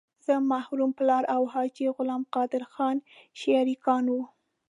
زما مرحوم پلار او حاجي غلام قادر خان شریکان وو.